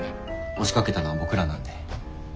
押しかけたのは僕らなんで。